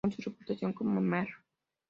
Con su reputación como "Mr.